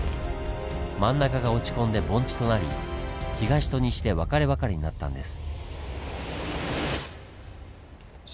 真ん中が落ち込んで盆地となり東と西で別れ別れになったんです。